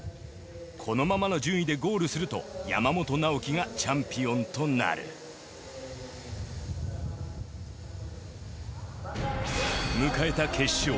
このままの順位でゴールすると山本尚貴がチャンピオンとなる迎えた決勝。